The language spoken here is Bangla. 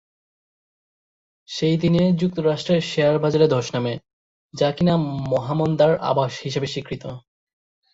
সেই দিনে যুক্তরাষ্ট্রের শেয়ার বাজারে ধস নামে, যা কিনা মহামন্দার আভাস হিসেবে স্বীকৃত।